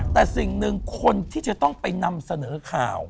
แต่สิ่งหนึ่งคนที่จะต้องไปนำเสนอข่าว